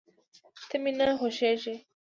ته مي نه خوښېږې !